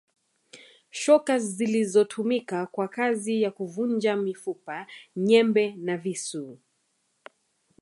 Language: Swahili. Shoka zilizotumika kwa kazi ya kuvunja mifupa nyembe na visu